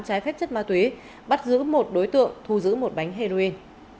trái phép chất ma túy bắt giữ một đối tượng thu giữ một bánh heroin